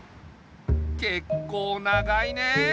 けっこう長いね。